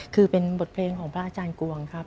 คือเป็นบทเพลงของพระอาจารย์กวงครับ